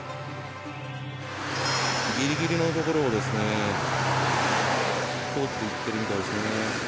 ギリギリのところを通っていっているみたいですね。